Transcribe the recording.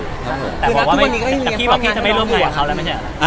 แต่พี่บอกว่าพี่จะไม่ร่วมกับเขาแล้วไม่ใช่ไหม